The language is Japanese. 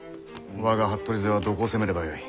我が服部勢はどこを攻めればよい？